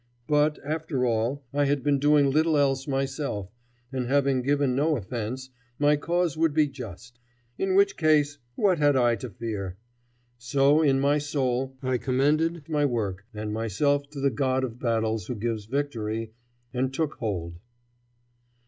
But, after all, I had been doing little else myself, and, having given no offence, my cause would be just. In which case, what had I to fear? So in my soul I commended my work and myself to the God of battles who gives victory, and took hold.